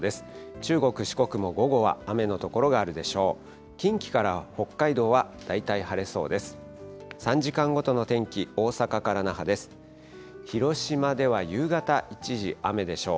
中国、四国も午後は雨の所があるでしょう。